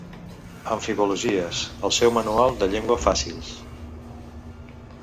Amfibologies al seu manual de llengua Faci'ls.